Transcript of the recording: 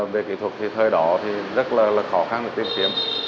về kỹ thuật thì thời đó thì rất là khó khăn để tìm kiếm